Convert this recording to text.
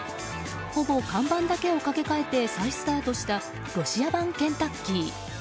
ほぼ看板だけを架け替えて再スタートしたロシア版ケンタッキー。